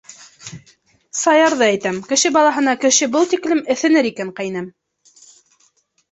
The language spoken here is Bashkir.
Саярҙы әйтәм, кеше балаһына кеше был тиклем эҫенер икән, ҡәйнәм.